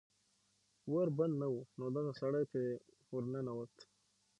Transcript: ور بند نه و نو دغه سړی پې ور ننوت